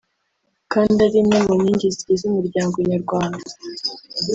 kandi ari imwe mu nkingi zigize Umuryango nyarwanda”